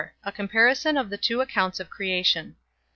A COMPARISON OF THE TWO ACCOUNTS OF CREATION.